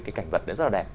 cái cảnh vật rất là đẹp